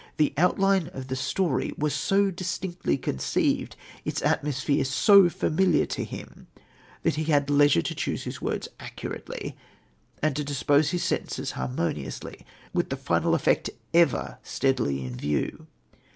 The outline of the story was so distinctly conceived, its atmosphere so familiar to him, that he had leisure to choose his words accurately, and to dispose his sentences harmoniously, with the final effect ever steadily in view.